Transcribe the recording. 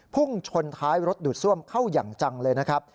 พุ่งชนท้ายรถดูดซ่วมเข้าอย่างจังเลยนะครับ